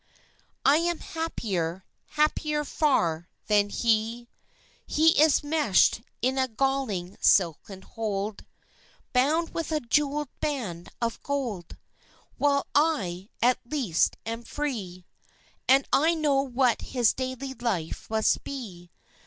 I am happier happier far than he; He is meshed in a galling silken hold, Bound with a jewelled band of gold; While I, at least, am free. And I know what his daily life must be.